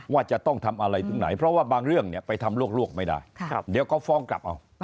ว่าจะต้องทำอะไรถึงไหนเพราะว่าบางเรื่องไปทำลวกไม่ได้เดี๋ยวก็ฟ้องกลับเอา